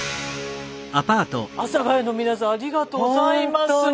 阿佐ヶ谷の皆さんありがとうございます。